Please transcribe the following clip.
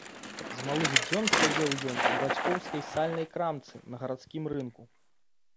З малых дзён сядзеў ён у бацькоўскай сальнай крамцы на гарадскім рынку.